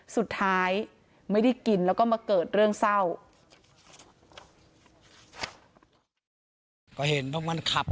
สุดท้ายไม่ได้กินแล้วก็มาเกิดเรื่องเศร้า